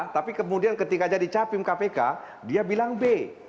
tapi kemudian ketika jadi capim kpk dia bilang b